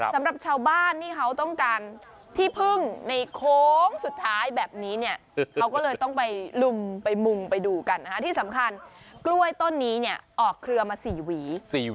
สำหรับชาวบ้านที่เขาต้องการที่พึ่งในโค้งสุดท้ายแบบนี้เนี่ยเขาก็เลยต้องไปลุมไปมุมไปดูกันนะฮะที่สำคัญกล้วยต้นนี้เนี่ยออกเครือมา๔หวี